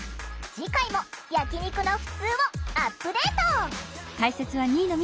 次回も焼き肉のふつうをアップデート！